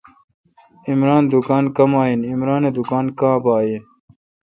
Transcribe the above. عمرانہ دکان کمااین۔۔عمران اے° دکان کاں بااین